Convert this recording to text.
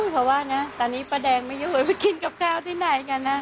เพราะว่านะตอนนี้ป้าแดงไม่อยู่เลยไปกินกับข้าวที่ไหนกันนะ